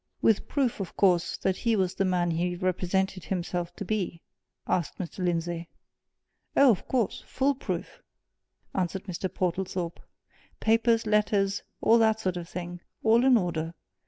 "With proof, of course, that he was the man he represented himself to be?" asked Mr. Lindsey. "Oh, of course full proof!" answered Mr. Portlethorpe. "Papers, letters, all that sort of thing all in order.